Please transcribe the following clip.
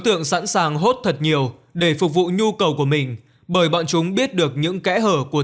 tượng sẵn sàng hốt thật nhiều để phục vụ nhu cầu của mình bởi bọn chúng biết được những kẽ hở của